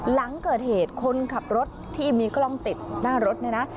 หลังเกิดเหตุคนขับรถที่มีกล้องติดหน้ารถเนี่ยนะ